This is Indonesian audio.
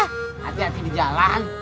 hati hati di jalan